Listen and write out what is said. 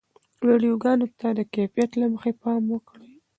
ویډیوګانو ته د کیفیت له مخې پام وکړئ.